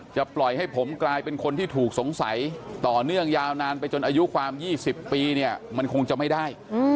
ปล่อยให้ผมกลายเป็นคนที่ถูกสงสัยต่อเนื่องยาวนานไปจนอายุความ๒๐ปีเนี่ยมันคงจะไม่ได้